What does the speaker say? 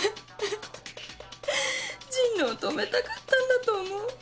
神野を止めたかったんだと思う。